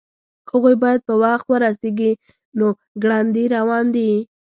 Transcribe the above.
هغوی باید په وخت ورسیږي نو ګړندي روان دي